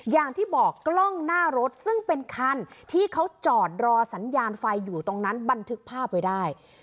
อย่างที่บอกกล้องหน้ารถซึ่งเป็นคันที่เขาจอดรอสัญญาณไฟอยู่ตรงนั้นบันทึกภาพไว้ได้